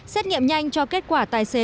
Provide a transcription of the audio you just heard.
xét nghiệm nhanh cho kết quả tài xế